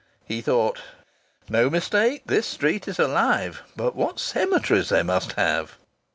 He thought: "No mistake this street is alive. But what cemeteries they must have!"